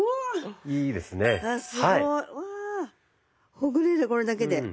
ほぐれるこれだけで。